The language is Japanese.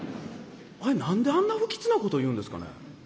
あれ何であんな不吉なこと言うんですかねえ。